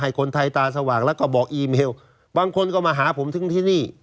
คนไทยตาสว่างแล้วก็บอกอีเมลบางคนก็มาหาผมถึงที่นี่